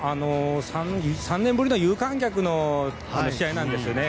３年ぶりの有観客の試合なんですよね。